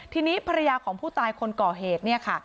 ทีนี้ภรรยาของผู้ตายคนก่อเหตุเนี่ยค่ะ